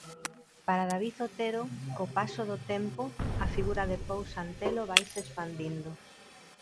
Para David Otero, co paso do tempo, a figura de Pousa Antelo vaise expandindo.